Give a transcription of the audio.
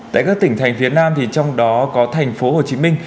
tại các tỉnh thành phía nam trong đó có thành phố hồ chí minh